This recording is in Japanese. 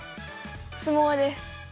相撲です。